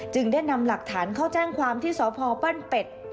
ได้นำหลักฐานเข้าแจ้งความที่สพปั้นเป็ด